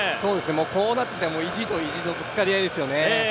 こうなってきたら意地と意地のぶつかり合いですよね。